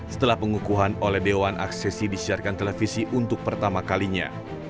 setelah pengukuhan oleh dewan aksesi disiarkan televisi untuk pertama kalinya